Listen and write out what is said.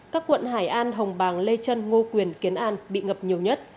các quận hải an hồng bàng lê trân ngô quyền kiến an bị ngập nhiều nhất